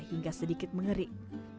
hingga sedikit mengerik